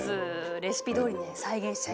レシピどおりに再現しちゃいました。